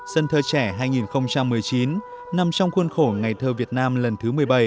sân thơ trẻ hai nghìn một mươi chín nằm trong khuôn khổ ngày thơ việt nam lần thứ một mươi bảy